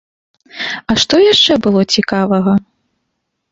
А што яшчэ было цікавага?